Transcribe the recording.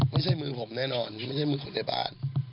ไม่ใช่มือคนในบ้าน